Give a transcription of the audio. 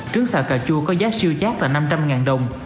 trứng xào cà chua có giá siêu chát là năm trăm linh ngàn đồng